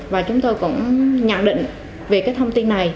và chúng tôi cũng nhận định về cái thông tin này